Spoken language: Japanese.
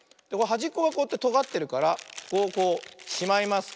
はじっこがこうやってとがってるからここをこうしまいます。